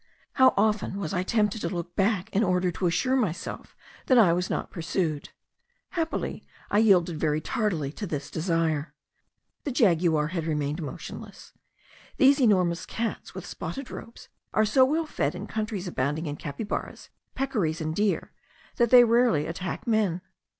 How often was I tempted to look back in order to assure myself that I was not pursued! Happily I yielded very tardily to this desire. The jaguar had remained motionless. These enormous cats with spotted robes are so well fed in countries abounding in capybaras, pecaries, and deer, that they rarely attack men.